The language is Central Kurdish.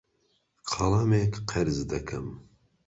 قەڵەمێک قەرز دەکەم.